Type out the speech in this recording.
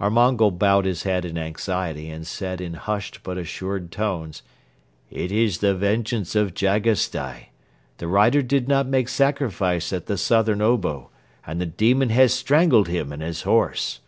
Our Mongol bowed his head in anxiety and said in hushed but assured tones: "It is the vengeance of Jagasstai. The rider did not make sacrifice at the southern obo and the demon has strangled him and his horse."